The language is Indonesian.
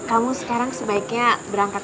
kamu sekarang sebaiknya berangkat